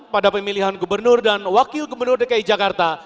pada pemilihan kebenur dan wakil kebenur dki jakarta